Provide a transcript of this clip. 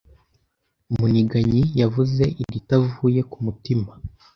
Muniganyi yavuze iritavuye ku mutima